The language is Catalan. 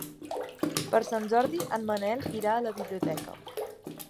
Per Sant Jordi en Manel irà a la biblioteca.